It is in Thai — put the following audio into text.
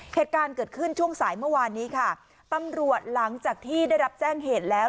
เหตุการณ์เกิดขึ้นช่วงสายเมื่อวานนี้ค่ะตำรวจหลังจากที่ได้รับแจ้งเหตุแล้ว